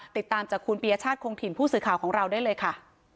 ติดตามจากคุณปียชาติคงถิ่นผู้สื่อข่าวของเราได้เลยค่ะ